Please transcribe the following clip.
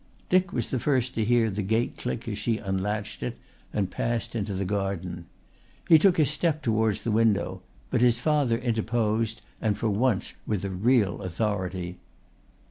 Dick was the first to hear the gate click as she unlatched it and passed into the garden. He took a step towards the window, but his father interposed and for once with a real authority.